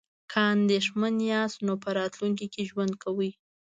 که اندیښمن یاست نو په راتلونکي کې ژوند کوئ.